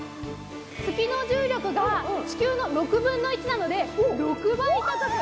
月の重力が地球の６分の１なので６倍高く。